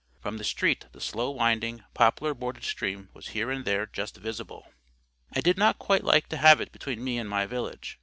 From the street the slow winding, poplar bordered stream was here and there just visible. I did not quite like to have it between me and my village.